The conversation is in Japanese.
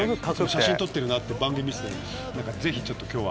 写真撮ってるって番組見ててぜひ今日は。